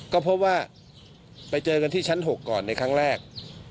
ก็พบว่าไปเจอกันที่ชั้น๖ก่อนในครั้งแรก